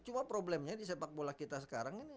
cuma problemnya di sepak bola kita sekarang ini